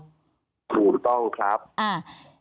ถูกต้องครับ